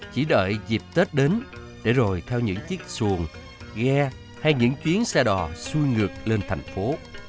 chỉ đợi dịp tết đến để rồi theo những chiếc xuồng ghe hay những chuyến xe đò xuôi ngược lên thành phố